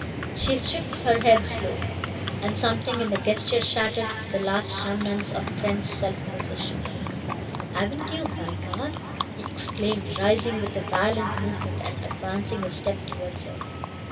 She shook her head slowly, and something in the gesture shattered the last remnants of Trent's self possession. "Haven't you, by God!" he exclaimed, rising with a violent movement and advancing a step towards her.